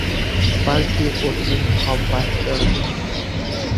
Balki o‘tli muhabbatdir bu.